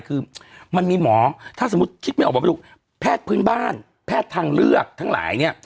คือมันมีหมอถ้าสมมุติคิดไม่ออกบอกไม่รู้แพทย์พื้นบ้านแพทย์ทางเลือกทั้งหลายเนี่ย